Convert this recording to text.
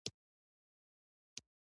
زده کړه ځواک راوړي.